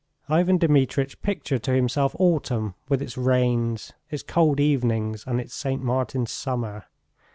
Ivan Dmitritch pictured to himself autumn with its rains, its cold evenings, and its St. Martin's summer.